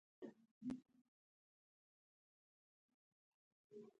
د هغوی د اوسېدلو سیمې په باب معلومات راکوي.